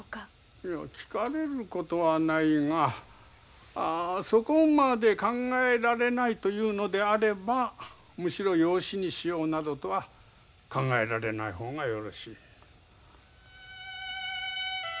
いや聞かれることはないがそこまで考えられないというのであればむしろ養子にしようなどとは考えられない方がよろしい。